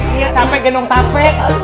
iya capek genong capek